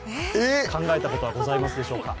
考えたことはございますでしょうか。